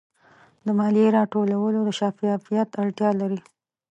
د مالیې راټولول د شفافیت اړتیا لري.